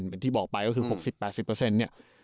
เหมือนที่บอกไปก็คือ๖๐๘๐เนี่ย